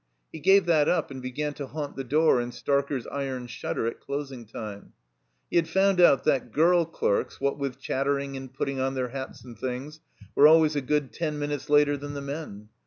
He gave that up, and began to haunt the door in Starker's iron shutter at closing time. He had fotmd out that girl clerks, what with chattering 68 I \ THE COMBINED MAZE and putting on their hats and thingSi were always a good ten minutes later than the men.